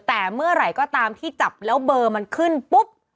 แต่เมื่อไหร่ก็ตามที่จับแล้วเบอร์มันขึ้นปุ๊บ